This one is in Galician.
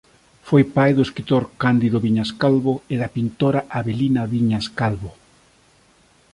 Foi pai do escritor Cándido Viñas Calvo e da pintora Avelina Viñas Calvo.